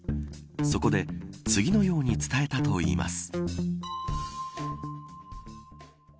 そこで、次のように伝えたといいます。